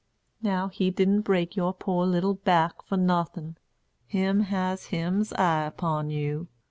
Now, He didn't break your poor little back for nothin'. Him has Him's eye upon you.